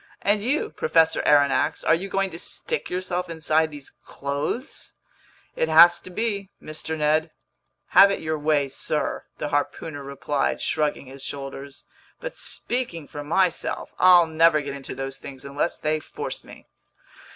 "And you, Professor Aronnax, are you going to stick yourself inside these clothes?" "It has to be, Mr. Ned." "Have it your way, sir," the harpooner replied, shrugging his shoulders. "But speaking for myself, I'll never get into those things unless they force me!"